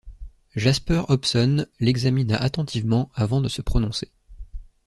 Jasper Hobson l’examina attentivement avant de se prononcer.